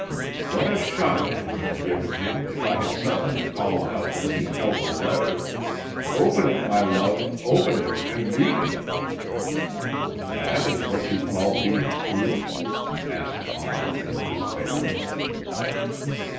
What a shock it would have given him if I had suddenly called out as he held the letter: 'Open it, my love, open it and read it!'" "That is what you call being prudent?" said Almer in despair.